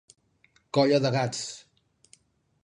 Colla de gats.